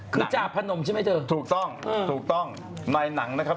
คือจาพนมใช่ไหมเธอถูกต้องถูกต้องในหนังนะครับ